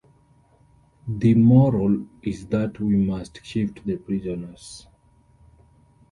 The moral is that we must shift the prisoners.